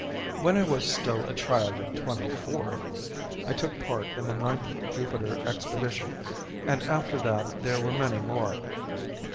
When I was still a child of twenty four I took part in the Ninth Jupiter Expedition and after that there were many more.